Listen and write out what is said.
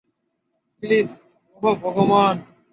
Please, ওহ ভগবান!